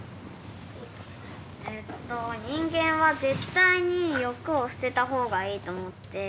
えっと人間は絶対に欲を捨てた方がいいと思って。